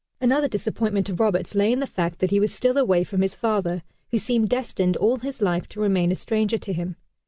Another disappointment to Roberts lay in the fact that he was still away from his father, who seemed destined all his life to remain a stranger to him.